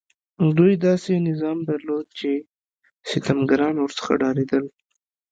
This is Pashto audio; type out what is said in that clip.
دوی داسې نظام درلود چې ستمګران ورڅخه ډارېدل.